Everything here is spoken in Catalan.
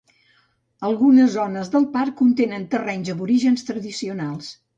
Algunes zones del parc contenen terrenys aborígens tradicionals.